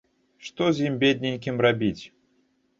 Што з ім, бедненькім, рабіць.